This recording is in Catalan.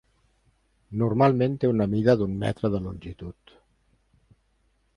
Normalment té una mida d'un metre de longitud.